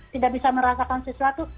tidak bisa merasakan sesuatu